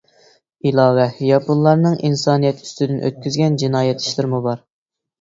ئىلاۋە: ياپونلارنىڭ ئىنسانىيەت ئۈستىدىن ئۆتكۈزگەن جىنايەت ئىشلىرىمۇ بار.